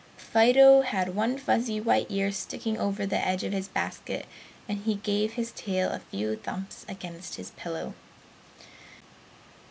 Fido had one fuzzy white ear sticking up over the edge of his basket and he gave his tail a few thumps against his pillow.